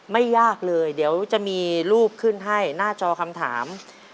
ไม่ยากเลยเดี๋ยวจะมีรูปขึ้นให้หน้าจอคำถาม